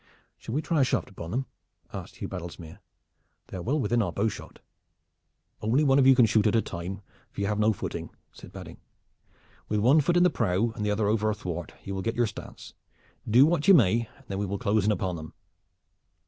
"Shall we try a shaft upon them?" asked Hugh Baddlesmere. "They are well within our bowshot." "Only one of you can shoot at a time, for you have no footing," said Badding. "With one foot in the prow and one over the thwart you will get your stance. Do what you may, and then we will close in upon them."